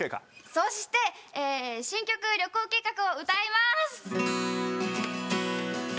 そして新曲『旅行計画』を歌います。